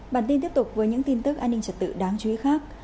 bản tin tiếp tục với những tin tức an ninh trật tự đáng chú ý khác